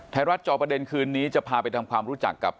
จอประเด็นคืนนี้จะพาไปทำความรู้จักกับ